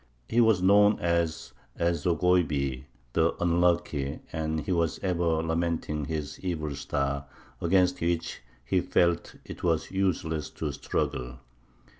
He was known as Ez Zogoiby, "the Unlucky;" and he was ever lamenting his evil star, against which he felt it was useless to struggle.